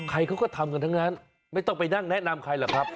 เขาก็ทำกันทั้งนั้นไม่ต้องไปนั่งแนะนำใครหรอกครับ